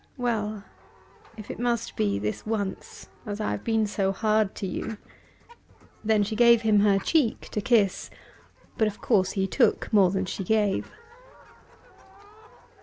Well, if it must be, this once, as I have been so hard to you." Then she gave him her cheek to kiss, but of course he took more than she gave.